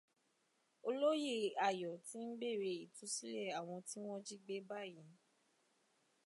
Olóyè Ayọ̀ ti ń bèèrè ìtúsílẹ̀ àwọn tí wọ́n jí gbé báyìí